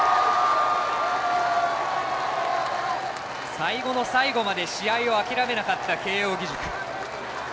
最後の最後まで試合を諦めなかった慶応義塾。